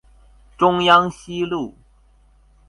中央西路